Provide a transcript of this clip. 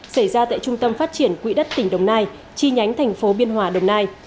xảy ra tại trung tâm phát triển quỹ đất tỉnh đồng nai chi nhánh thành phố biên hòa đồng nai